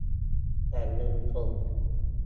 แหล่งเงินทุน